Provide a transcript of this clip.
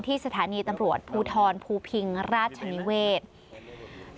ที่สถานีตำรวจภูทรภูพิงศ์ราชนิเวทย์